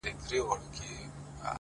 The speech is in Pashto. o زما د ژوند د كرسمې خبري،